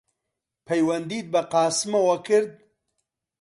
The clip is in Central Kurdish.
پەیوەندیت بە قاسمەوە کرد؟